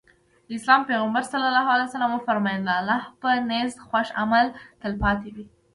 د اسلام پيغمبر ص وفرمايل د الله په نزد خوښ عمل تلپاتې وي.